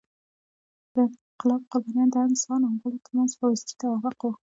د انقلاب قربانیان د انسان او غلو تر منځ فاوستي توافق وو.